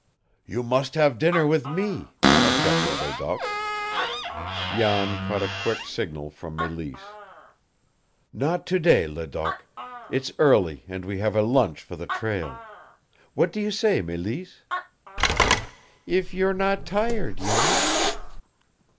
"You must have dinner with me," objected Ledoq. Jan caught a quick signal from Mélisse. "Not to day, Ledoq. It's early, and we have a lunch for the trail. What do you say, Mélisse?" "If you're not tired, Jan."